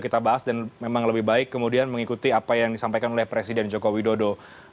kita bahas dan memang lebih baik kemudian mengikuti apa yang disampaikan oleh presiden joko widodo